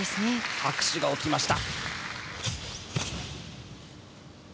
拍手が起きました。